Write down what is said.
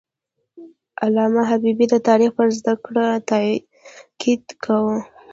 علامه حبیبي د تاریخ پر زده کړه تاکید کاوه.